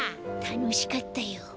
たのしかったよ。